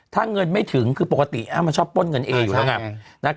ถ้าเงินไม่ถึงคือปกติอ้ามันชอบป้นเงินเออยู่แล้วไง